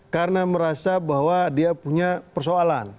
karena merasa bahwa dia punya persoalan